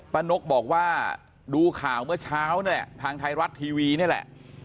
นกบอกว่าดูข่าวเมื่อเช้าเนี่ยทางไทยรัฐทีวีนี่แหละ